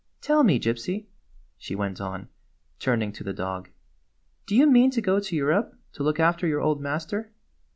Tell me, Gypsy," she went on, turning to the dog, " do you mean to go to Europe to look after your old master?"